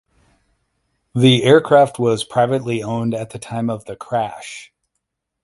The aircraft was privately owned at the time of the crash.